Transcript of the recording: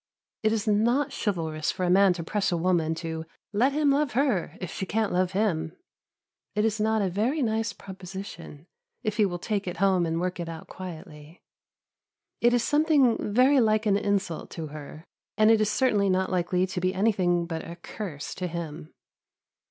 It is not chivalrous for a man to press a woman to "let him love her, if she can't love him;" it is not a very nice proposition, if he will take it home and work it out quietly; it is something very like an insult to her, and it is certainly not likely to be anything but a curse to him.